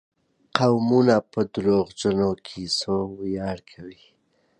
قومونه په دروغجنو کيسو وياړ کوي.